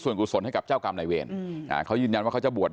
ส่วนกุศลให้กับเจ้ากรรมนายเวรเขายืนยันว่าเขาจะบวช